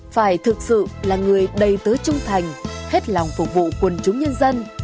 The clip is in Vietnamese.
phải thực sự là người đầy tứ trung thành hết lòng phục vụ quân chúng nhân dân